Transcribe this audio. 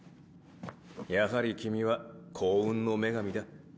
やはり君は幸運の女神だ。